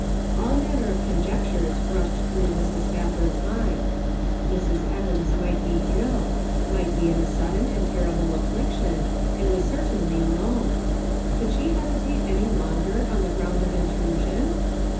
All manner of conjectures rushed through Mrs. Spafford's mind. Mrs. Evans might be ill, might be in sudden and terrible affliction, and was certainly alone. Could she hesi ate any longer 011 the ground of intrusion